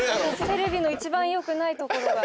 テレビの一番良くないところが。